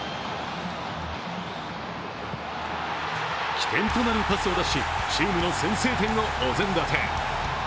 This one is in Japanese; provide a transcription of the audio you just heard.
起点となるパスを出しチームの先制点をお膳立て。